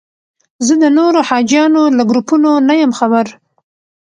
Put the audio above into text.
زه د نورو حاجیانو له ګروپونو نه یم خبر.